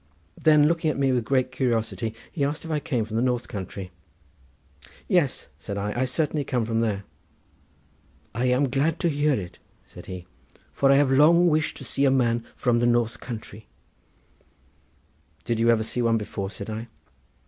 Then looking at me with great curiosity he asked me if I came from the north country. "Yes," said I, "I certainly come from there." "I am glad to hear it," said he, "for I have long wished to see a man from the north country." "Did you never see one before?" said I.